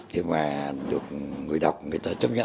thế mà được người đọc người ta chấp nhận